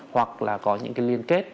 hoặc là có những cái liên kết